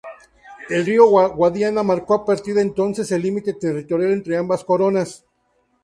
El río Guadiana marcó a partir de entonces el límite territorial entre ambas coronas.